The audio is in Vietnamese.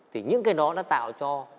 thì những cái đó nó tạo cho